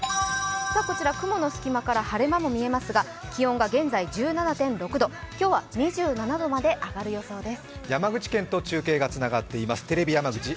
雲の隙間から晴れ間も見えますが気温が現在１７．６度、今日は２７度まで上がる予想です。